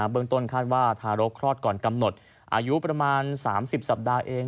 เบื้องต้นคาดว่าทารกคลอดก่อนกำหนดอายุประมาณ๓๐สัปดาห์เอง